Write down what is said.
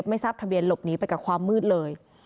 ไม่ทราบทะเบียนหลบหนีไปกับความมืดเลย